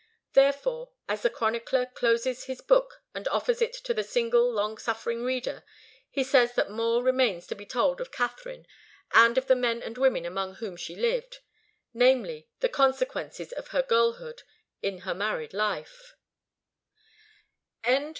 Therefore, as the chronicler closes his book and offers it to his single long suffering reader, he says that more remains to be told of Katharine and of the men and women among whom she lived; namely, the consequences of her girlhood in her married life. THE END.